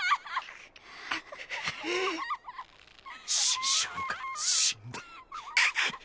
師匠が死んだくっ！